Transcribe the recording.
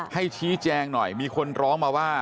ให้ชี้แจงหน่อยมีคนร้องมาว่า